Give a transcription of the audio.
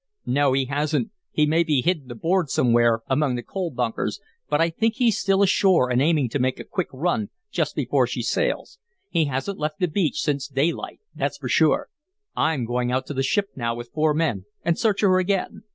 "No, he hasn't. He may be hidden aboard somewhere among the coal bunkers, but I think he's still ashore and aiming to make a quick run just before she sails. He hasn't left the beach since daylight, that's sure. I'm going out to the ship now with four men and search her again.